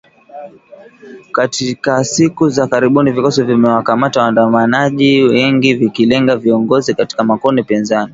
Katika siku za karibuni vikosi vimewakamata waandamanaji wengi vikilenga viongozi katika makundi pinzani